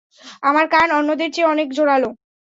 আমার কান অন্যদের চেয়ে অনেক জোরালো।